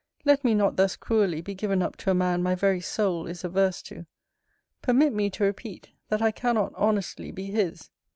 Let me not thus cruelly be given up to a man my very soul is averse to. Permit me to repeat, that I cannot honestly be his.